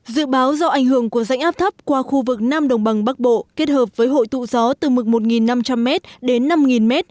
dự báo do ảnh hưởng của rãnh áp thấp qua khu vực nam đồng bằng bắc bộ kết hợp với hội tụ gió từ mực một năm trăm linh m đến năm m